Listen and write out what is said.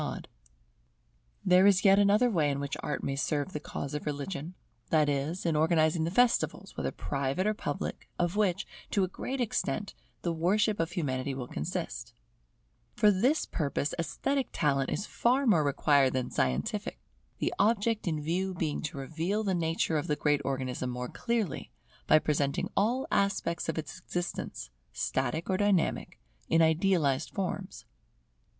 [Organization of festivals, representing statical and dynamical aspects of humanity] There is yet another way in which Art may serve the cause of religion; that is, in organizing the festivals, whether private or public, of which, to a great extent, the worship of Humanity will consist. For this purpose esthetic talent is far more required than scientific, the object in view being to reveal the nature of the great Organism more clearly, by presenting all aspects of its existence, static or dynamic, in idealized forms.